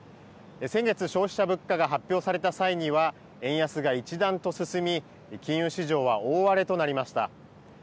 先月、消費者物価が発表された際には、円安が一段と進み、金融市場は大荒れとなりました。